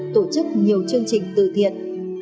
tổ chức nhiều chương trình từ thiện